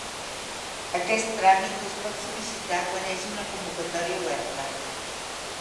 Aquest tràmit es pot sol·licitar quan hi hagi una convocatòria oberta.